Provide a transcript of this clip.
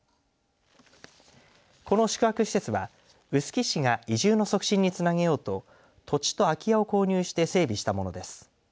この宿泊施設は臼杵市が移住の促進につなげようと土地と空き家を購入して整備したものです。